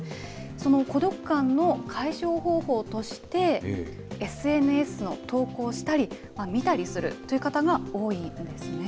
その孤独感の解消方法として、ＳＮＳを投稿したり、見たりするという方が多いんですね。